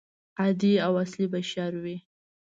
عادي او اصلي بشر وي.